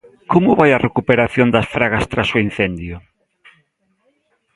Como vai a recuperación das Fragas tras o incendio?